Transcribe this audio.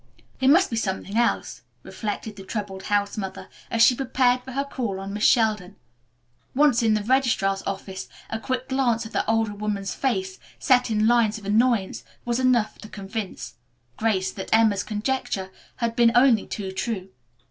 "It must be something else," reflected the troubled house mother, as she prepared for her call on Miss Sheldon. Once in the registrar's office, a quick glance at the older woman's face, set in lines of annoyance, was enough to convince Grace that Emma's conjecture had been only too true.